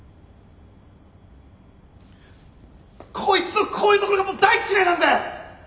こいつのこういうところがもう大っ嫌いなんだよ！